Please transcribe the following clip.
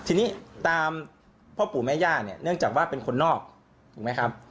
ทีนี้ตามพ่อปู่แม่ย่าเนี่ยเนื่องจากว่าเป็นคนนอกถูกไหมครับ